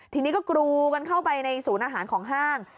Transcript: ทีนี้ก็กรูกันเข้าไปในศูนย์อาหารของห้าง